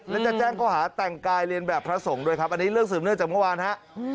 และจะแจ้งเขาหาแต่งกายเรียนแบบพระสงฆ์ด้วยครับอันนี้เรื่องสืบเนื่องจากเมื่อวานฮะ